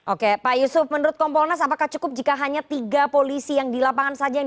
oke pak yusuf menurut kompolnas apakah cukup jika hanya tiga polisi yang di lapangan saja yang